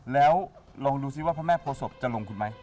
แล้วลองดูซิว่าพระแม่โภษบจะลงคุณไหม